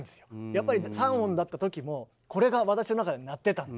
やっぱり３音だったときもこれが私の中で鳴ってたんで。